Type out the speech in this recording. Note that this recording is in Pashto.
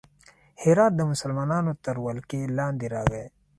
هرات د مسلمانانو تر ولکې لاندې راغی.